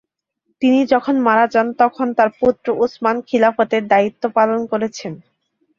তিনি যখন মারা যান তখন তার পুত্র উসমান খিলাফতের দ্বায়িত্ব পালন করছেন।